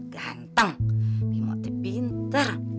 ganteng bimbit pinter